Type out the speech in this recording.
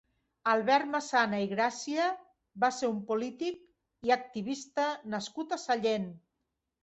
Albert Massana i Gràcia va ser un polític i activista nascut a Sallent.